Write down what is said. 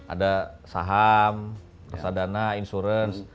ada saham rasa dana insurance